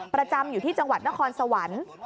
ประจำอยู่ที่จังหวัดนครสวรรค์